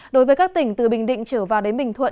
đối với các tỉnh từ bình định trở vào đến bình thuận